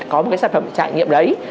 có một cái sản phẩm trải nghiệm đấy